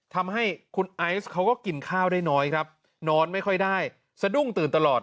ทำให้คุณไอซ์เขาก็กินข้าวได้น้อยครับนอนไม่ค่อยได้สะดุ้งตื่นตลอด